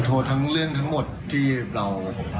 ทั้งเรื่องทั้งหมดที่เรา